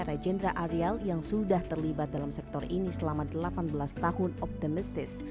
regendra ariel yang sudah terlibat dalam sektor ini selama delapan belas tahun optimistis